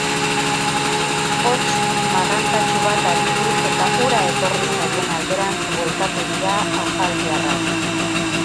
Hots marrantatsu bat aditu eta hura etorri zaien alderantz bueltatu dira afaltiarrak.